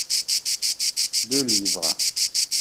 Deux livres.